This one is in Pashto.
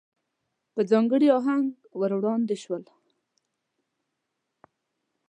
په ځانګړي آهنګ وړاندې شول.